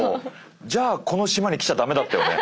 じゃあこの島に来ちゃ駄目だったよね。